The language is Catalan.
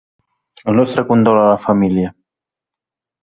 El nostre condol a la família.